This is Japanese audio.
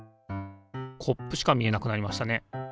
コップしか見えなくなりましたね。